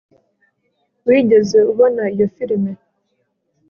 wigeze ubona iyo firime